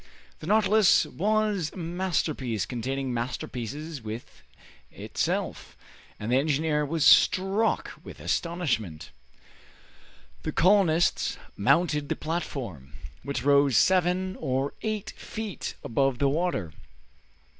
The "Nautilus" was a masterpiece containing masterpieces within itself, and the engineer was struck with astonishment. The colonists mounted the platform, which rose seven or eight feet above the water.